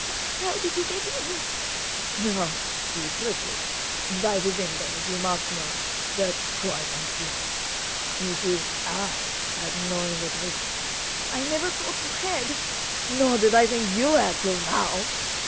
"How—how did you get in?" "Oh, secretly! By the window, if you must know; but quite unseen. You see, I had no invitation." "I never thought you had—" "Nor did I think you had—till now."